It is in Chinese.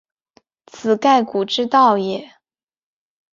此盖古之道也。